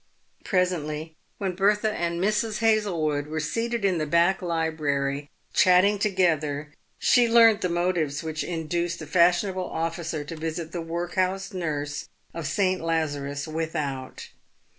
Presently, when Bertha and Mrs. Hazlewood were seated in the back library, chatting together, she learnt the motives which induced the fashionable officer to visit the workhouse nurse of St. Lazarus Without.